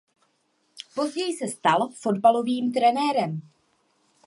Později se stal fotbalovým trenérem.